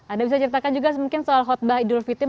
anda bisa ceritakan juga mungkin soal khotbah idul fitim